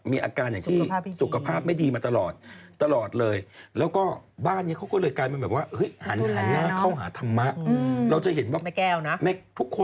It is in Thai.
พี่นาเดชเองพี่ส่งบทโสดอะไรมามันสวดได้หมดมาก